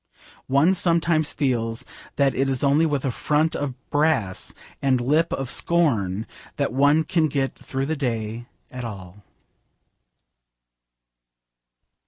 One sometimes feels that it is only with a front of brass and a lip of scorn that one can get through the day at all.